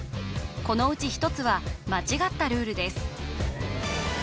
このうち１つは間違ったルールです